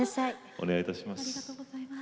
お願いいたします。